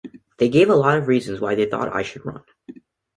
They gave a lot of reasons why they thought I should run.